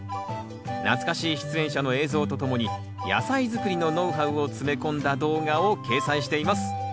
懐かしい出演者の映像とともに野菜づくりのノウハウを詰め込んだ動画を掲載しています。